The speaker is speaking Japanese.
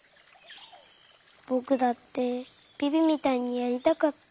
ぼくだってビビみたいにやりたかった。